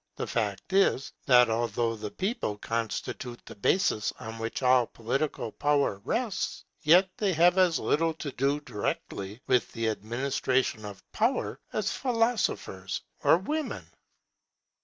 The fact is, that although the people constitute the basis on which all political power rests, yet they have as little to do directly with the administration of power as philosophers or women.